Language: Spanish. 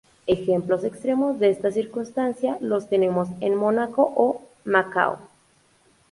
Ejemplos extremos de esta circunstancia los tenemos en Mónaco o Macao.